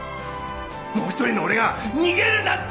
もう一人の俺が逃げるなって